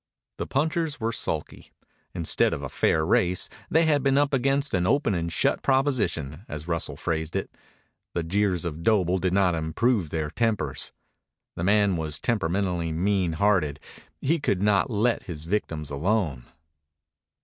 The punchers were sulky. Instead of a fair race they had been up against an open and shut proposition, as Russell phrased it. The jeers of Doble did not improve their tempers. The man was temperamentally mean hearted. He could not let his victims alone.